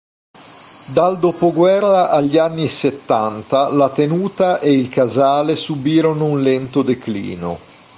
Dal dopoguerra agli anni settanta la tenuta e il casale subirono un lento declino.